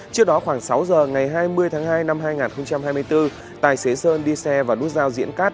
trước đó khoảng sáu giờ ngày hai mươi tháng hai năm hai nghìn hai mươi bốn tài xế sơn đi xe vào nút giao diễn cát